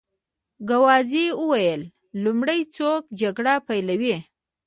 ګاووزي وویل: لومړی څوک جګړه پېلوي؟